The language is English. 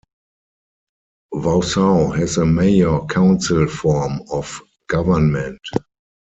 Wausau has a mayor-council form of government.